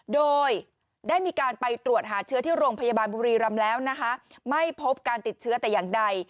โดยได้มีการไปตรวจหาเชื้อที่โรงพยาบาลบุรีรำแล้วนะคะไม่พบการติดเชื้อแต่อย่างใด